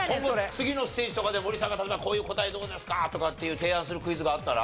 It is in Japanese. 次のステージとかで森さんが例えばこういう答えどうですかとかっていう提案するクイズがあったら？